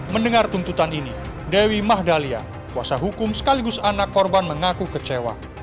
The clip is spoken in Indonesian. mendengar tuntutan ini dewi mahdalia kuasa hukum sekaligus anak korban mengaku kecewa